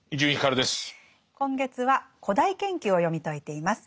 今月は「古代研究」を読み解いています。